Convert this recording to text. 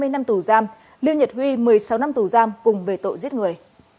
hai mươi năm tù giam lưu nhật huy một mươi sáu năm tù giam cùng về tội giết người